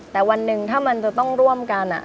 แต่วันหนึ่งถ้ามันจะต้องร่วมกัน